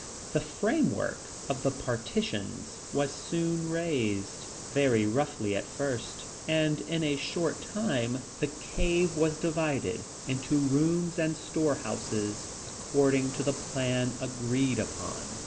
The framework of the partitions was soon raised, very roughly at first, and in a short time, the cave was divided into rooms and storehouses, according to the plan agreed upon.